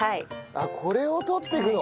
あっこれを取っていくの？